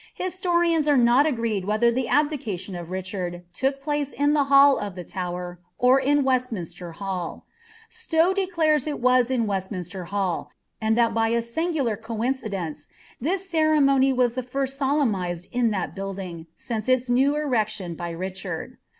Htsiorians are not agreed whether tlie aUiiniioa of Richard took plac« in the hall of the Tuwer. or in Weslminrtrr UsIL Stow declares it was in Weslniineier Hall, and that by n singuhff eoii cidence, tbis ceremony was the first solemnised in tliat batlilinf, nu its new erection by Ricliard.